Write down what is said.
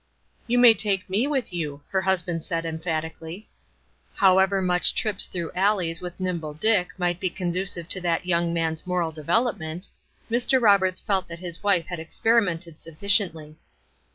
"You may take me with you," her husband said, emphatically. However much trips through alleys with Nimble Dick might be conducive to that young man's moral development, Mr. Roberts felt that his wife had experimented sufficiently.